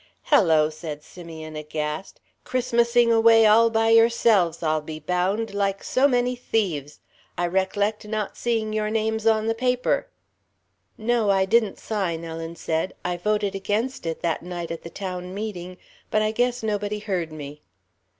"Hello," said Simeon, aghast, "Christmassing away all by yourselves, I'll be bound, like so many thieves. I rec'lect not seeing your names on the paper." "No, I didn't sign," Ellen said. "I voted against it that night at the town meeting, but I guess nobody heard me."